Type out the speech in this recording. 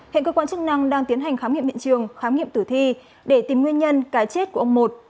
hiện cơ quan chức năng đang tiến hành khám nghiệm hiện trường khám nghiệm tử thi để tìm nguyên nhân cái chết của ông một